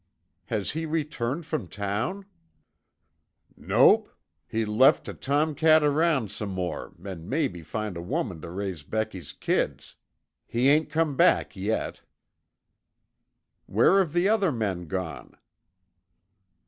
"Has he returned from town?" "Nope. He left tuh tomcat around some more an' maybe find a woman tuh raise Becky's kids. He ain't come back yet." "Where have the other men gone?"